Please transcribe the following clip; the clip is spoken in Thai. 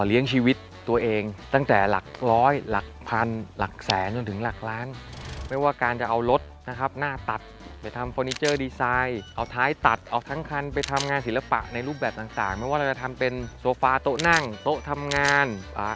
เลี้ยงชีวิตตัวเองตั้งแต่หลักร้อยหลักพันหลักแสนจนถึงหลักล้านไม่ว่าการจะเอารถนะครับหน้าตัดไปทำเฟอร์นิเจอร์ดีไซน์เอาท้ายตัดเอาทั้งคันไปทำงานศิลปะในรูปแบบต่างไม่ว่าเราจะทำเป็นโซฟาโต๊ะนั่งโต๊ะทำงานอ่า